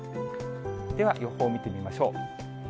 では、予報を見てみましょう。